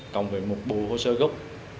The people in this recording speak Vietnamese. cộng với một bộ hồ sơ gốc